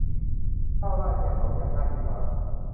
ข้าวราดแกงสองอย่าง ห้าสิบบาท